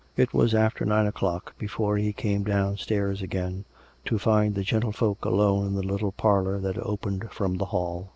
... It was after nine o'clock before he came downstairs again, to find the gentlefolk alone in the little parlour that opened COME RACK! COME ROPE! 319 from the hall.